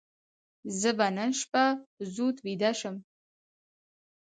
زه به نن شپه زود ویده شم.